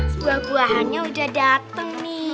buah buahannya udah dateng nih